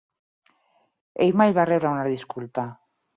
Ell mai va rebre una disculpa.